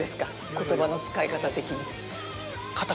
言葉の使い方的に。